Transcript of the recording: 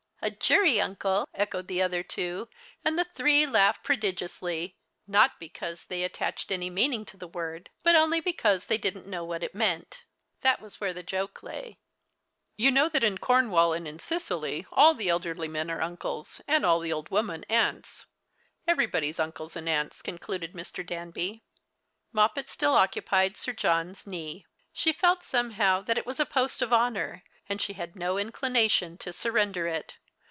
" A jury uncle !" echoed the other two, and the three laughed prodigiously, not because they attached any meaning to the word, but only because they didn't know what it meant. That was where the joke lay. " You know that in Cornwall and in Sicily all the elderly men are uncles, and all the old women aunts ; everybody's uncles and aunts," concluded Mr. Danby. Moppet still occupied Sir John's knee. She felt some how that it was a post of honour, and she had no inclination to surrender it.